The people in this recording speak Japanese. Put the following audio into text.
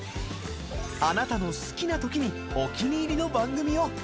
あなたの好きなときにお気に入りの番組を。